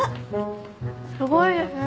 すごいですね。